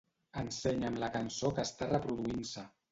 Ensenya'm la cançó que està reproduint-se.